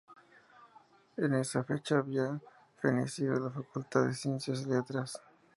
En esa fecha había fenecido la Facultad de Ciencias y Letras.